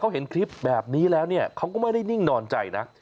เขาเห็นคลิปแบบนี้แล้วเนี่ยเขาก็ไม่ได้นิ่งนอนใจนะ